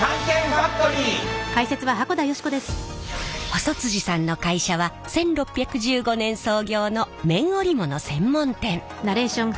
細さんの会社は１６１５年創業の綿織物専門店。